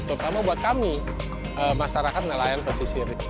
terutama buat kami masyarakat nelayan pesisir